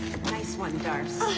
あ！